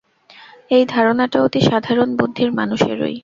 এই ধারণাটা অতি সাধারণ বুদ্ধির মানুষেরই।